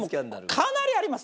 かなりあります